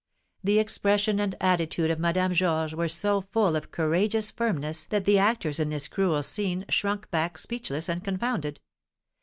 The expression and attitude of Madame Georges were so full of courageous firmness that the actors in this cruel scene shrunk back speechless and confounded.